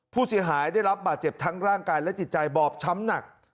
ผู้เสียหายได้รับบาดเจ็บทั้งร่างกายและจิตใจบอบช้ำหนัก